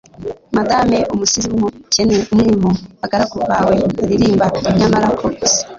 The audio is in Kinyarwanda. madame, umusizi w'umukene, umwe mu bagaragu bawe baririmba nyamara ku isi